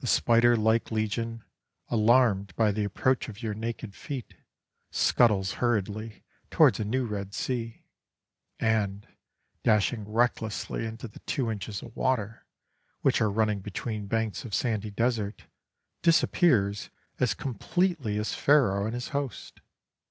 The spider like legion, alarmed by the approach of your naked feet, scuttles hurriedly towards a new Red Sea, and, dashing recklessly into the two inches of water, which are running between banks of sandy desert, disappears as completely as Pharaoh and his host.